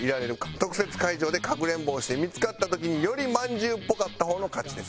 特設会場でかくれんぼをして見付かった時によりまんじゅうっぽかった方の勝ちです。